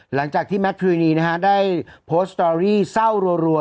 หลังจากที่แมททวีนะฮะได้โพสต์สตอรี่เศร้ารัว